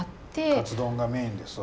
カツ丼がメインですわ